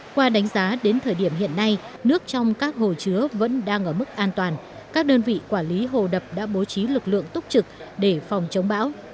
qua đánh giá đến thời điểm hiện nay nước trong các hồ chứa vẫn đang ở mức an toàn các đơn vị quản lý hồ đập đã bố trí lực lượng túc trực để phòng chống bão